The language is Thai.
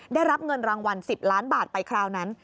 ได้รับเงินรางวัล๑๐ล้านบาทไปคราวนั้น